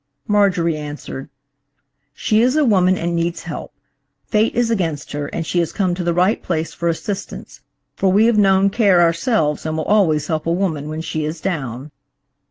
Marjorie answered. "She is a woman and needs help; fate is against her, and she has come to the right place for assistance, for we have known care ourselves and will always help a woman when she is down."